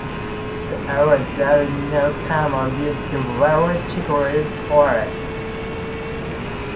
The area that is now Canaman used to very thickly forested.